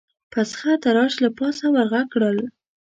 پخڅه تراش له پاسه ور غږ کړل: